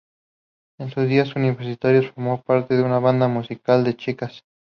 En sus días universitarios formó parte de una banda musical de chicas.